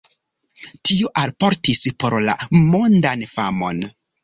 Tio alportis por li mondan famon.